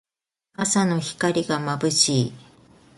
朝の光がまぶしい。